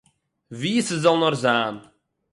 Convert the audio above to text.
ווי ס'זאָל נאָר זיין